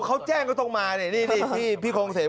เขาแจ้งก็ต้องมานี่พี่คงเสพ